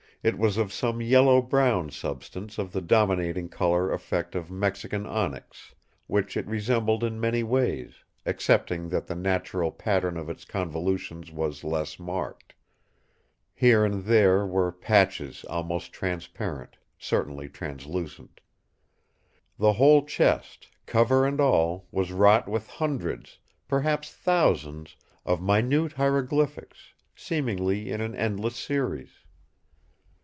It was of some yellow brown substance of the dominating colour effect of Mexican onyx, which it resembled in many ways, excepting that the natural pattern of its convolutions was less marked. Here and there were patches almost transparent—certainly translucent. The whole chest, cover and all, was wrought with hundreds, perhaps thousands, of minute hieroglyphics, seemingly in an endless series.